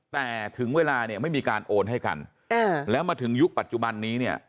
แต่ถึงเวลาเนี่ยไม่มีการโอนให้กันแล้วมาถึงยุคปัจจุบันนี้เนี่ย